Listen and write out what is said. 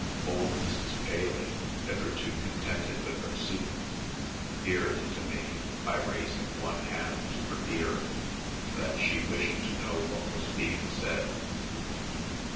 Old Mrs. Paley, hitherto contented with her soup, here intimated, by raising one hand to her ear, that she wished to know what was being said.